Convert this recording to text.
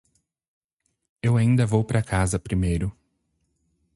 Eu ainda vou para casa primeiro.